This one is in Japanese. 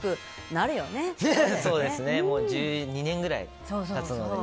もう１２年ぐらい経つので。